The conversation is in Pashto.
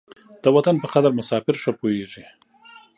د وطن په قدر مساپر ښه پوهېږي.